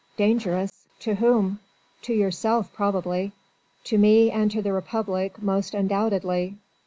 "Dangerous? To whom?" "To yourself probably. To me and to the Republic most undoubtedly.